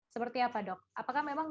seperti apa dok apakah memang